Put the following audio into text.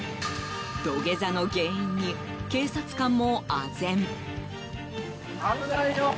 土下座の原因に警察官もあぜん。